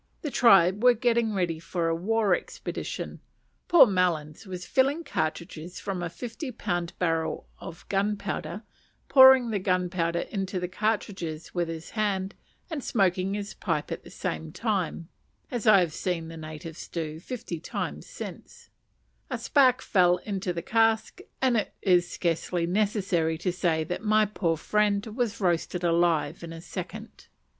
The tribe were getting ready for a war expedition; poor Melons was filling cartridges from a fifty pound barrel of gunpowder, pouring the gunpowder into the cartridges with his hand, and smoking his pipe at the time, as I have seen the natives doing fifty times since: a spark fell into the cask, and it is scarcely necessary to say that my poor friend was roasted alive in a second.